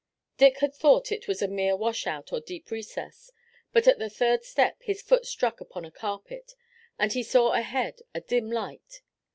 Dick had thought it was a mere wash out or deep recess, but at the third step his foot struck upon a carpet and he saw ahead a dim light.